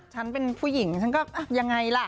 ฉันเป็นผู้หญิงฉันก็ยังไงล่ะ